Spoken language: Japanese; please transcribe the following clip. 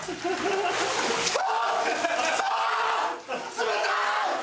冷たい！